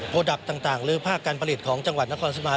ดับต่างหรือภาคการผลิตของจังหวัดนครสมา